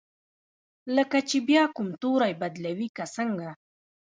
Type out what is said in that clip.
لکه چې بیا کوم توری بدلوي که څنګه؟